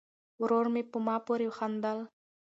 ورور مې په ما پورې خندل.